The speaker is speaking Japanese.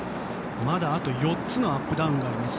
まだ、あと４つのアップダウンがあります。